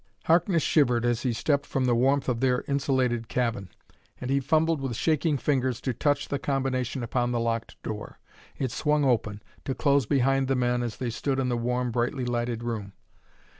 Harkness shivered as he stepped from the warmth of their insulated cabin, and he fumbled with shaking fingers to touch the combination upon the locked door. It swung open, to close behind the men as they stood in the warm, brightly lighted room.